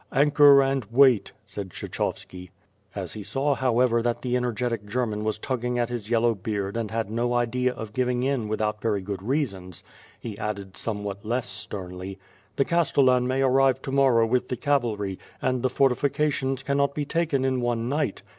..." "Anchor and wait," said Kshechovski. As he saw, hoavever, that the energetic German was tug ging at his yellow beard and had no idea of giving in without very good reasons, he added somewhat less sternly, "The Castellan may arrive to morrow with the cavalry, and the fortifications cannot be taken in one night."